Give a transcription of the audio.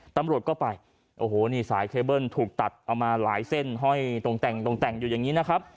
ตำรวจก็ไปโอ้โหนี่สายเคเบิ้ลถูกตัดเอามาหลายเส้นห้อยตรงแต่งตรงแต่งอยู่อย่างนี้นะครับ